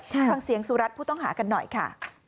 ฟังเสียงสุรัตน์ผู้ต้องหากันหน่อยค่ะ